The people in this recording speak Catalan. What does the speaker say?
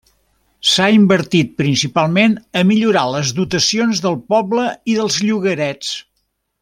S'ha invertit principalment a millorar les dotacions del poble i dels llogarets.